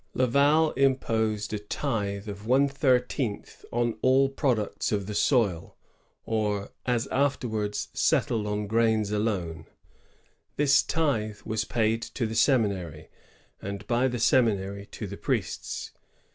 Laval imposed a tithe of one thirteenth on all products of the soil, or, as afterwards settled^ on grains alone. This tithe was paid to the seminary, and by the seminary to the priests.